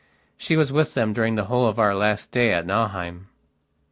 She was with them during the whole of our last stay at Nauheim.